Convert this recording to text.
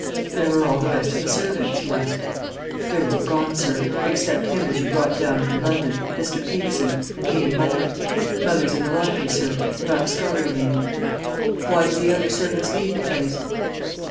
"Where are all the rest of the servants?" he asked. "They're all gone, sir; except him as you brought down from London, Mr. Peterson, and me and mother. Mother's in the laundry, sir; and I'm scullerymaid." "Why did the other servants leave the place?"